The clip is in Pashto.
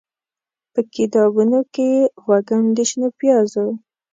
به کتابونوکې یې، وږم د شنو پیازو